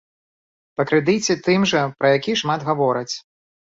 Па крэдыце тым жа, пра які шмат гавораць.